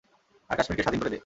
আর কাশ্মীরকে স্বাধীন করে দে।